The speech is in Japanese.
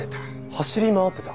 走り回ってた？